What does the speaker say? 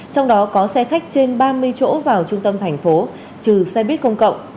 trong đó có xe khách trên ba mươi chỗ vào trung tâm thành phố trừ xe buýt công cộng